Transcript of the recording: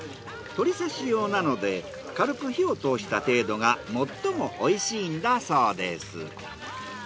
鳥刺し用なので軽く火を通した程度が最も美味しいんだそうです。